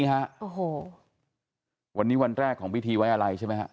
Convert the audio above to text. ฮะโอ้โหวันนี้วันแรกของพิธีไว้อะไรใช่ไหมฮะ